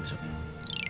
ya udah satu menit mas